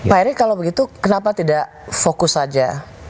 pak erick kalau begitu kenapa tidak fokus saja